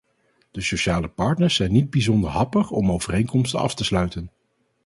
De sociale partners zijn niet bijzonder happig om overeenkomsten af te sluiten.